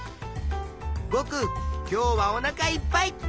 ぼく今日はおなかいっぱい！